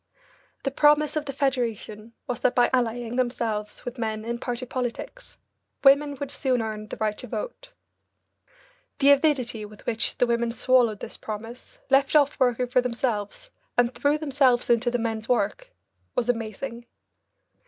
The promise of the Federation was that by allying themselves with men in party politics, women would soon earn the right to vote. The avidity with which the women swallowed this promise, left off working for themselves, and threw themselves into the men's work was amazing.